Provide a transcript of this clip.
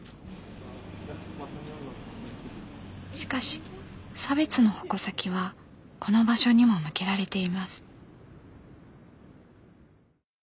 しかし差別の矛先はこの場所にも向けられています。